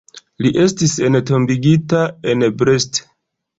Li estis entombigita en Brest.